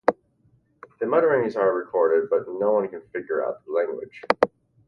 The mutterings are recorded, but no-one can figure out the language.